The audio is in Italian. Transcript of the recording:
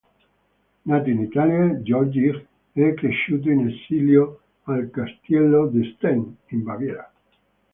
Nato in Italia, Georgij è cresciuto in esilio al Castello di Stein, in Baviera.